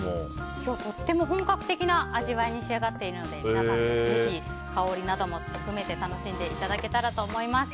今日、とっても本格的な味わいに仕上がっているので皆さん、ぜひ香りなども含めて楽しんでいただけたらと思います。